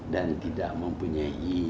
dan tidak mempunyai